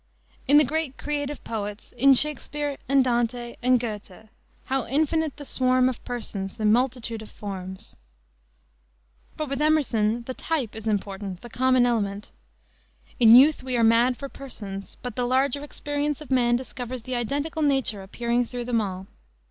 In the great creative poets, in Shakespere and Dante and Goethe, how infinite the swarm of persons, the multitude of forms! But with Emerson the type is important, the common element. "In youth we are mad for persons. But the larger experience of man discovers the identical nature appearing through them all."